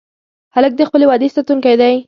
هلک د خپلې وعدې ساتونکی دی.